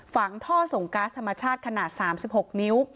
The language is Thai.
ฝังท่อส่งก๊าซธรรมชาติขนาด๓๖นิ้ว